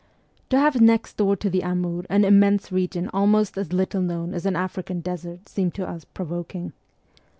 To have next door to the Amur an immense region almost as little known as an African desert seemed to us provoking.